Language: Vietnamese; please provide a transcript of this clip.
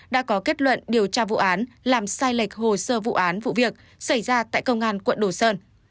đã có kết luận điều tra vụ án làm sai lệch hồ sơ vụ án vụ việc xảy ra tại công an quận đồ sơn